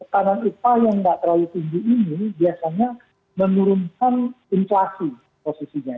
karena upah yang tidak terlalu tinggi ini biasanya menurunkan inflasi posisinya